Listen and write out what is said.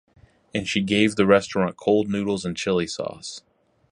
And she gave the restaurant cold noodles and chili sauce.